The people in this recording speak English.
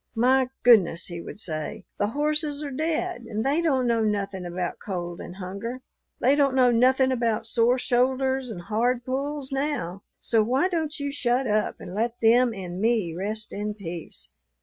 'My goodness,' he would say, 'the horses are dead and they don't know nothin' about cold and hunger. They don't know nothin' about sore shoulders and hard pulls now, so why don't you shut up and let them and me rest in peace?'